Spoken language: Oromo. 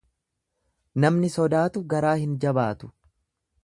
Namni sodaatu garaa hin jabaatu.